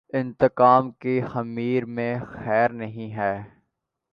انتقام کے خمیر میںخیر نہیں ہے۔